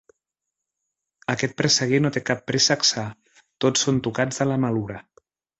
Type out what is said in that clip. Aquest presseguer no té cap préssec sa: tots són tocats de la malura.